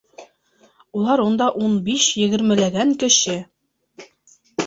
Улар унда ун биш-егермеләгән кеше.